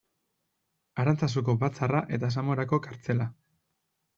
Arantzazuko batzarra eta Zamorako kartzela.